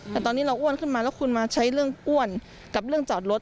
แต่ตอนนี้เราอ้วนขึ้นมาแล้วคุณมาใช้เรื่องอ้วนกับเรื่องจอดรถ